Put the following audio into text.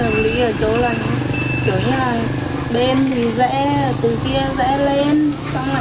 bất hợp lý ở chỗ là kiểu như là bên thì rẽ từ kia rẽ lên